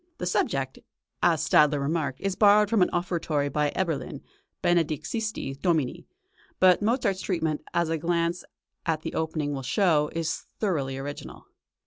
The subject, as Stadler remarked, is borrowed from an offertory by Eberlin, "Benedixisti Domine"; but Mozart's treatment, as a glance at the opening will show, is thoroughly original.